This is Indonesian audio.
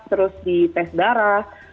terus dites darah